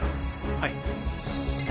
はい。